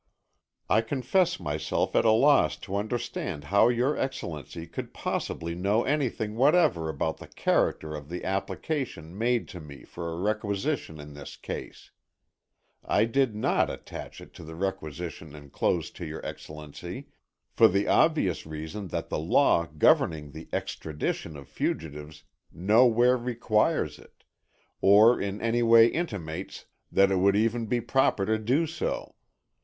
I confess myself at a loss to understand how your Excellency could possibly know anything whatever about the character of the application made to me for a requisition in this case. I did not attach it to the requisition enclosed to your Excellency, for the obvious reason that the law governing the extradition of fugitives nowhere requires it, or in any way intimates that it would even be proper to do so.